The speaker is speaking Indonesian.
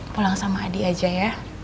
pulang sama adi aja ya